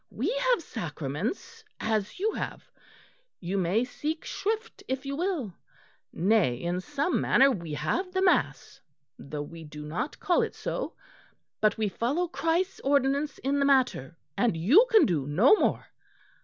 We have sacraments as you have; you may seek shrift if you will; nay, in some manner we have the mass though we do not call it so but we follow Christ's ordinance in the matter, and you can do no more.